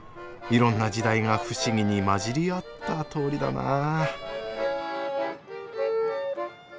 いろんな時代が不思議に交じり合った通りだな。